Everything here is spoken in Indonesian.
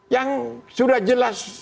yang sudah jelas